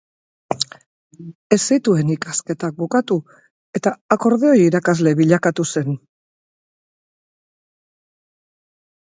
Ez zituen ikasketak bukatu eta akordeoi irakasle bilakatu zen.